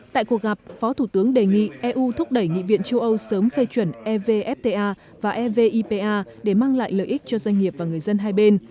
tại cuộc gặp phó thủ tướng đề nghị eu thúc đẩy nghị viện châu âu sớm phê chuẩn evfta và evipa để mang lại lợi ích cho doanh nghiệp và người dân hai bên